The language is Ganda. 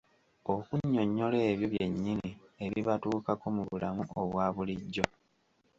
Okunnyonnyola ebyo byennyini ebibatuukako mu bulamu obwa bulijjo.